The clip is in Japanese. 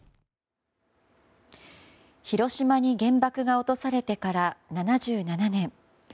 広島に原爆が落とされてから７７年。